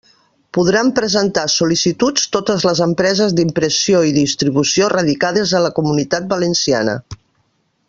Podran presentar sol·licituds totes les empreses d'impressió i distribució radicades a la Comunitat Valenciana.